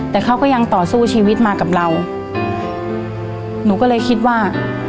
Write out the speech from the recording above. แต่เขาก็ยังต่อสู้ชีวิตมากับเราหนูก็เลยคิดว่า